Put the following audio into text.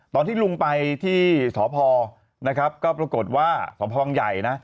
ตอนที่ลุงไปที่สพนะครับก็ปรากฏว่าสพวังใหญ่นะ